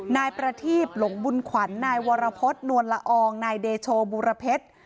นายประทีบหลงบุญขวัญนายวรพฤษนวลละอองนายเดโชบูรเพชร